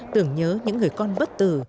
tưởng nhớ những người con bất tử